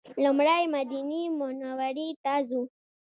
لومړی مدینې منورې ته ځو.